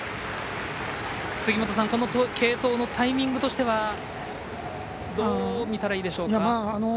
この継投のタイミングとしてはどう見たらいいでしょうか。